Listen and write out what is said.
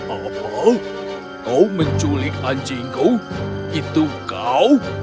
apa kau menculik anjingku itu kau